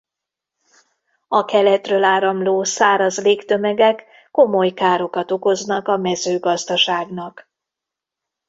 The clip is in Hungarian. A keletről áramló száraz légtömegek komoly károkat okoznak a mezőgazdaságnak.